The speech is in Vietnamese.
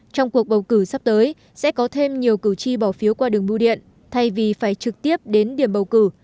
trong cuộc bầu cử sắp tới sẽ có thêm nhiều cử tri bỏ phiếu qua đường bưu điện thay vì phải trực tiếp đến điểm bầu cử